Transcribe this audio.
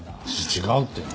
違うって。